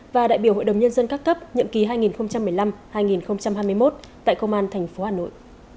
và đại biểu hội đồng nhân dân các cấp nhiệm kỳ hai nghìn một mươi năm hai nghìn hai mươi một tại công an tp hà nội